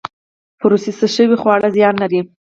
پروسس شوي خواړه زیان لري